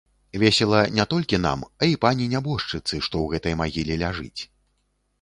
Весела не толькі нам, а і пані нябожчыцы, што ў гэтай магіле ляжыць.